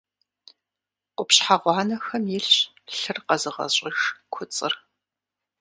Къупщхьэ гъуанэхэм илъщ лъыр къэзыгъэщӏыж куцӏыр.